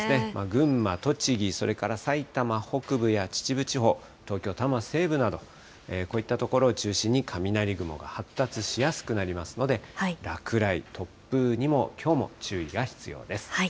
群馬、栃木、それから埼玉北部や秩父地方、東京・多摩西部など、こういった所を中心に、雷雲が発達しやすくなりますので、落雷、突風にも、きょうも注意が必要です。